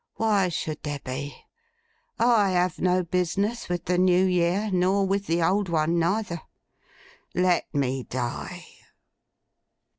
Why should there be? I have no business with the New Year nor with the old one neither. Let me die!